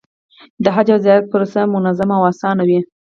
د حج او زیارت پروسه منظمه او اسانه وي.